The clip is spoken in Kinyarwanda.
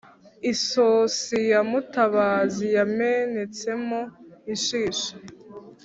isosi ya mutabazi yamenetsemo inshishi